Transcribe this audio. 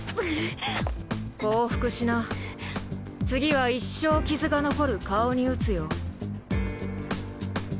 降伏しな次は一生傷が残る顔に撃つよ